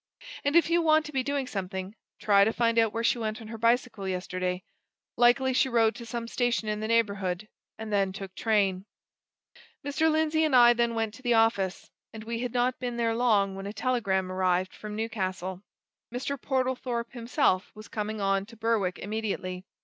And if you want to be doing something, try to find out where she went on her bicycle yesterday likely, she rode to some station in the neighbourhood, and then took train." Mr. Lindsey and I then went to the office, and we had not been there long when a telegram arrived from Newcastle. Mr. Portlethorpe himself was coming on to Berwick immediately.